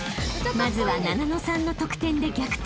［まずはななのさんの得点で逆転］